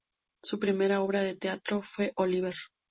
Su primera obra de teatro fue "Oliver!".